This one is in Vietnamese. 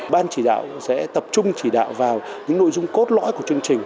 ban chỉ đạo sẽ tập trung chỉ đạo vào những nội dung cốt lõi của chương trình